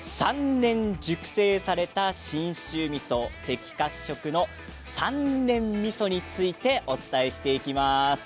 ３年熟成された信州みそ赤褐色の三年みそについてお伝えしていきます。